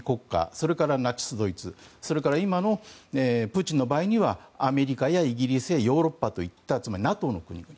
それからナチス・ドイツそれから今のプーチンの場合にはアメリカやイギリスやヨーロッパといったつまりＮＡＴＯの国々。